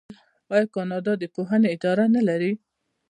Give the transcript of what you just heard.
آیا کاناډا د پوهنې اداره نلري؟